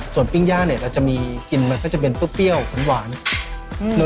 ส่วนปิ้งญาติเนี้ยเราจะมีกลิ่นมันก็จะเป็นต้นเปรี้ยวขนวานอืม